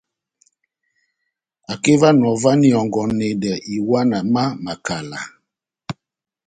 Akeva na ová na ihɔngɔnedɛ iwana má makala.